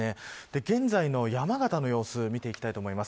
現在の山形の様子見ていきたいと思います。